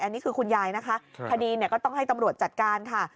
อันนี้คือคุณยายนะคะคดีก็ต้องให้ตำรวจจัดการค่ะ